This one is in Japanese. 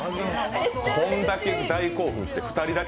こんだけ大興奮して、２人だけ？